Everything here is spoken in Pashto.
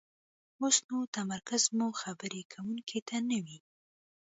اوسو نو تمرکز مو خبرې کوونکي ته نه وي،